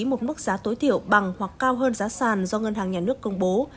một mức giá tối thiểu bằng hoặc cao hơn giá sàn do ngân hàng nhà nước công bố